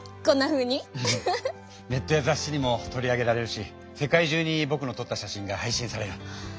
ネットやざっしにも取り上げられるし世界中にぼくのとった写真がはいしんされる。